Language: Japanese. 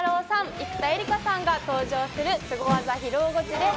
生田絵梨花さんが登場する、すごい技披露ゴチです。